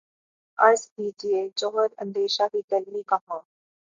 عرض کیجے جوہر اندیشہ کی گرمی کہاں